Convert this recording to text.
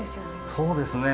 そうですね。